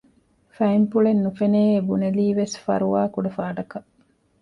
ފައިންޕުޅެއް ނުފެނެއޭ ބުނެލީވެސް ފަރުވާކުޑަ ފާޑަކަށް